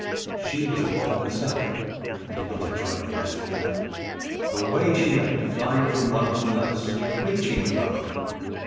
She was the ball herself, and did not enjoy it the less for that. Away she went, flying from one to another, screeching with laughter.